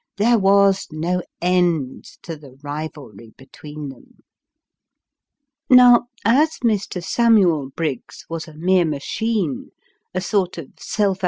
There was no end to the rivalry between them. Now, as Mr. Samuel Briggs was a mere machine, a sort of self 202 Sketches by 02.